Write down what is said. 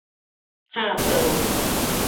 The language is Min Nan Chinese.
曬燙